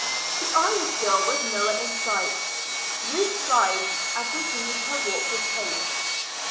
The Irish girl was nowhere in sight. Ruth sighed and continued her walk with Kate.